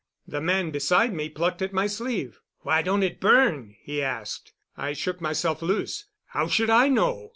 The man beside me plucked at my sleeve. "Why don't it burn?" he asked. I shook myself loose. "How should I know?"